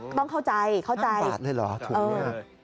ต้องเข้าใจเข้าใจบาทเลยเหรอถุงนี้